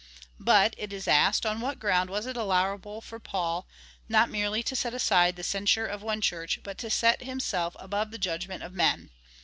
But, it is asked, on w^hat ground it was allowable for Paul, not merely to set aside the censure of one Church, but to set himself above the judgment of men